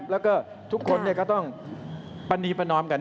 แล้วก็ทุกคนก็ต้องปฏิปนมกัน